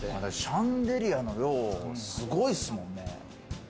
シャンデリアの量、すごいっすもんね。